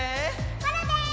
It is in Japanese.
コロです！